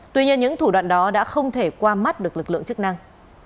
tuy nhiên những thủ đoạn đó đã không thể qua mắt được lực lượng chức năng